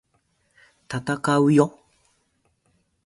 闘うよ！！